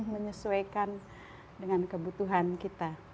menyesuaikan dengan kebutuhan kita